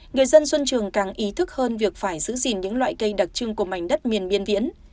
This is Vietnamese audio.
người dân xuân trường càng ý thức hơn việc phải giữ gìn những loại cây đặc trưng của mảnh đất miền biên viễn